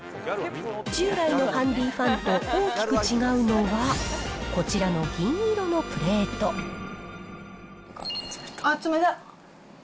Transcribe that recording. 従来のハンディファンと大きく違うのは、こちらの銀色のプレートあっ、冷たっ。